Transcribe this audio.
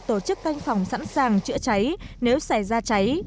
tổ chức canh phòng sẵn sàng chữa cháy nếu xảy ra cháy